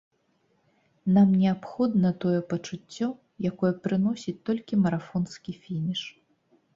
Нам неабходна тое пачуццё, якое прыносіць толькі марафонскі фініш.